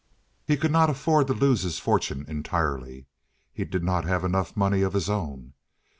He could not afford to lose his fortune entirely. He did not have enough money of his own.